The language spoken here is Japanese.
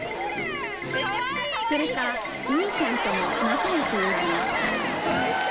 それからミーちゃんとも仲よしになりました。